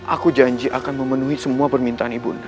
aku janji akan memenuhi semua permintaan ibunda